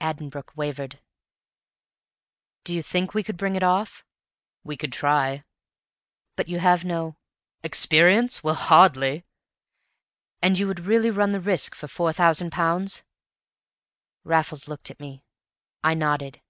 Addenbrooke wavered. "Do you think you could bring it off?" "We could try." "But you have no " "Experience? Well, hardly!" "And you would really run the risk for four thousand pounds?" Raffles looked at me. I nodded.